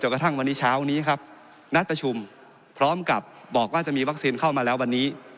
กระทั่งวันนี้เช้านี้ครับนัดประชุมพร้อมกับบอกว่าจะมีวัคซีนเข้ามาแล้ววันนี้